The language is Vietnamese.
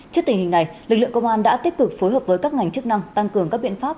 trước tình hình này lực lượng công an đã tích cực phối hợp với các ngành chức năng tăng cường các biện pháp